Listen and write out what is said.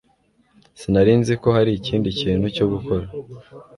Sinari nzi ko hari ikindi kintu cyo gukora